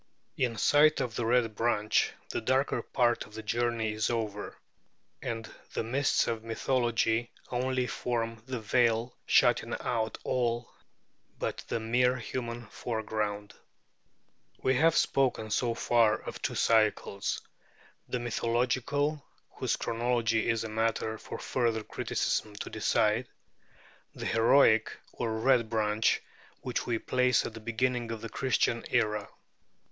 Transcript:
In sight of the Red Branch, the darker part of the journey is over; and the mists of mythology only form the veil shutting out all but the mere human foreground. We have spoken so far of two cycles the Mythological, whose chronology is a matter for further criticism to decide; the Heroic, or Red Branch, which we place at the beginning of the Christian era.